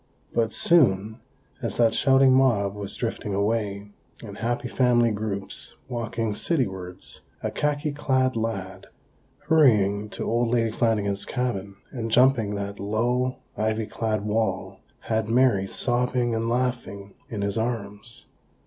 But soon, as that shouting mob was drifting away, and happy family groups walking citywards, a khaki clad lad, hurrying to old Lady Flanagan's cabin, and jumping that low, ivy clad wall, had Mary, sobbing and laughing, in his arms.